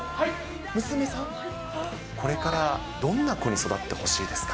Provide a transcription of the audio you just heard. これからどんな子に育ってほしいですか。